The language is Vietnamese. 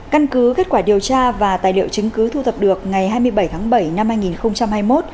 căn cứ kết quả điều tra và tài liệu chứng cứ thu thập được ngày hai mươi bảy tháng bảy năm hai nghìn hai mươi một